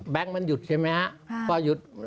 แบงค์มันหยุดใช่ไหมพอหยุด